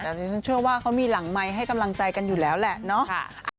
แต่ที่ฉันเชื่อว่าเขามีหลังไมค์ให้กำลังใจกันอยู่แล้วแหละเนาะ